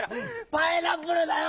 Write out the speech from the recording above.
「パイナップル」だよ